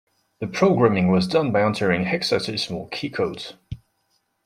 The programming was done by entering hexadecimal key codes.